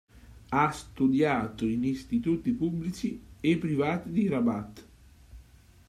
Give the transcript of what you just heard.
Ha studiato in istituti pubblici e privati di Rabat.